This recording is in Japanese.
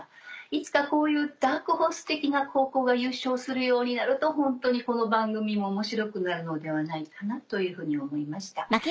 いつかこういうダークホース的な高校が優勝するようになるとホントにこの番組も面白くなるのではないかなというふうに思いました。